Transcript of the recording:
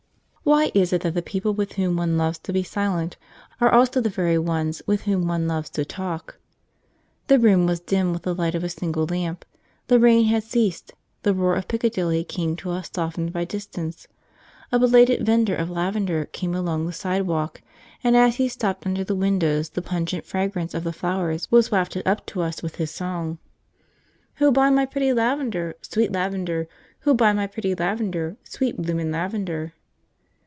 (Why is it that the people with whom one loves to be silent are also the very ones with whom one loves to talk?) The room was dim with the light of a single lamp; the rain had ceased; the roar of Piccadilly came to us softened by distance. A belated vendor of lavender came along the sidewalk, and as he stopped under the windows the pungent fragrance of the flowers was wafted up to us with his song. 'Who'll buy my pretty lavender? Sweet lavender, Who'll buy my pretty lavender? Sweet bloomin' lavender.'